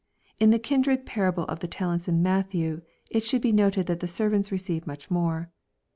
In the kindred parable of the talents in Matthew, it should be noted the servants receive much more.